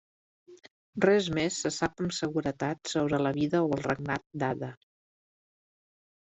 Res més se sap amb seguretat sobre la vida o el regnat d'Adda.